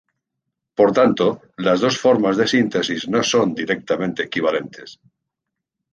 Por tanto, las dos formas de síntesis no son directamente equivalentes.